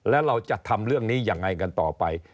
แล้วเราจะทำเรื่องนี้ยังไงกันต่อไป